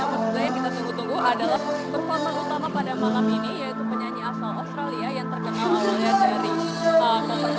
yang kita tunggu tunggu adalah performa utama pada malam ini yaitu penyanyi asal australia yang terkenal melihat dari malam ini